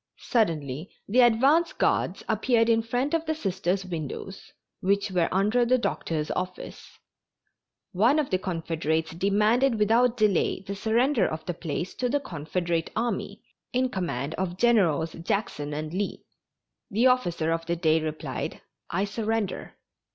Suddenly the advance guards appeared in front of the Sisters' windows, which were under the doctor's office. One of the Confederates demanded without delay the surrender of the place to the Confederate army, in command of Generals Jackson and Lee. The officer of the day replied, "I surrender."